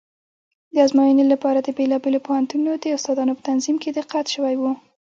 د ازموینې لپاره د بېلابېلو پوهنتونونو د استادانو په تنظیم کې دقت شوی و.